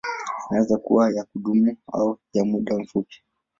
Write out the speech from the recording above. Inaweza kuwa ya kudumu au ya muda mfupi.